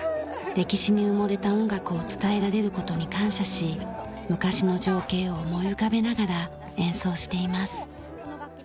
歴史に埋もれた音楽を伝えられる事に感謝し昔の情景を思い浮かべながら演奏しています。